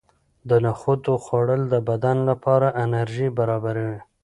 د نخودو خوړل د بدن لپاره انرژي برابروي.